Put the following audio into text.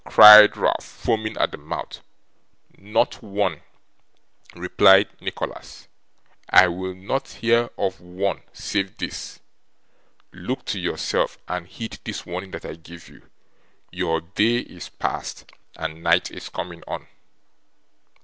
cried Ralph, foaming at the mouth. 'Not one,' replied Nicholas, 'I will not hear of one save this. Look to yourself, and heed this warning that I give you! Your day is past, and night is comin' on.